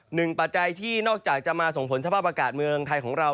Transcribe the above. ปัจจัยที่นอกจากจะมาส่งผลสภาพอากาศเมืองไทยของเรา